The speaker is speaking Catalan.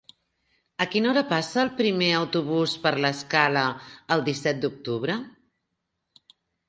A quina hora passa el primer autobús per l'Escala el disset d'octubre?